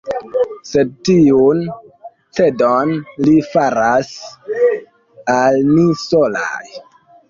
Sed tiun cedon li faras al ni solaj.